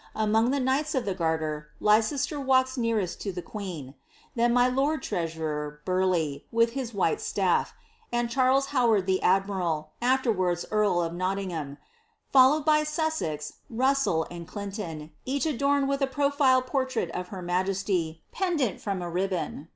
Among the knights of the garter, Leicester walks nearest to the queen ; then my lord treasurer, Burleigh, with his white stafl^ and Charles Howard the idmiral, afterwards earl of Nottingham ; followed by Sussex, RuHsell, and Clinton, each adorned with a profile portrait of her majesty, pendant from a ribbon.